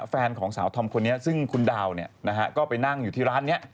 แฟนของสาวธอมคนนี้ซึ่งคุณดาวก็ไปนั่งอยู่ที่ร้านนี้